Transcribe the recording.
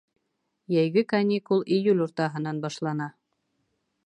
Йәйге каникул июль уртаһынан башлана.